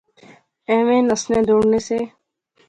ایویں نسنے دوڑنے سے